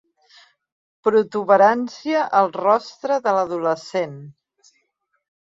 Protuberància al rostre de l'adolescent.